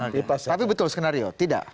tapi betul skenario tidak